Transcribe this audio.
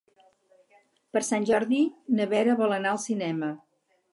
Per Sant Jordi na Vera vol anar al cinema.